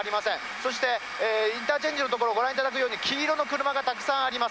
そして、インターチェンジの所、ご覧いただくように、黄色の車がたくさんあります。